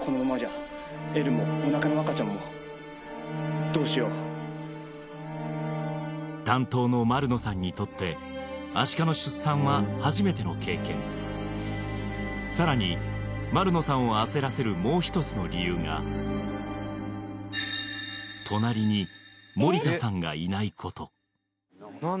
このままじゃエルもおなかの赤ちゃんもどうしよう担当の丸野さんにとってアシカの出産は初めての経験さらに丸野さんを焦らせるもう一つの理由が隣に盛田さんがいないこと何で？